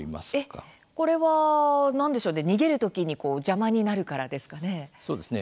これは何でしょうね逃げる時に邪魔になるからですかね。